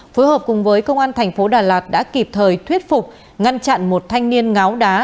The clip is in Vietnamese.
phối hợp cùng với công an thành phố đà lạt đã kịp thời thuyết phục ngăn chặn một thanh niên ngáo đá